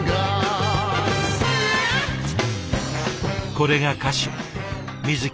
これが歌手水木